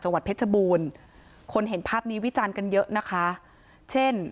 จังหวัดเพชรบูรณ์คนเห็นภาพนี้วิจารณ์กันเยอะนะคะเช่น